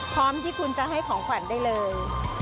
พร้อมที่คุณจะให้ของขวัญได้เลย